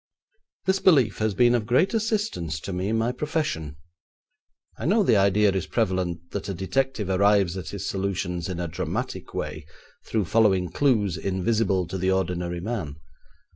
This belief has been of great assistance to me in my profession. I know the idea is prevalent that a detective arrives at his solutions in a dramatic way through following clues invisible to the ordinary man.